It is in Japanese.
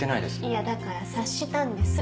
いやだから察したんです。